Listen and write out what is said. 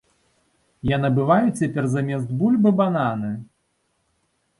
Я набываю цяпер замест бульбы бананы!